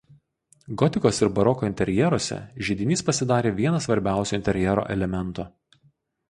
Gotikos ir baroko interjeruose židinys pasidarė vienas svarbiausių interjero elementų.